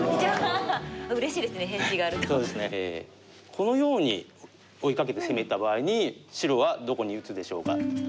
このように追いかけて攻めた場合に白はどこに打つでしょうか？